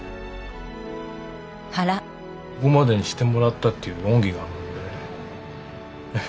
ここまでにしてもらったという恩義があるので。